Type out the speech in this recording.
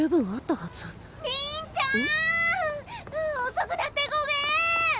遅くなってごめん！